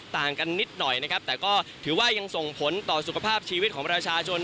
ต่างกันนิดหน่อยนะครับแต่ก็ถือว่ายังส่งผลต่อสุขภาพชีวิตของประชาชน